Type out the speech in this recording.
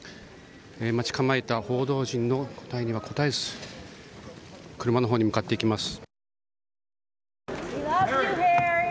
待ち構えた報道陣の訴えには答えず車のほうへ向かっていきます。